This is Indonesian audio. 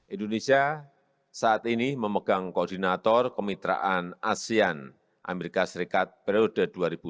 indonesia saat ini memegang koordinator kemitraan asean amerika serikat periode dua ribu dua puluh satu dua ribu dua puluh empat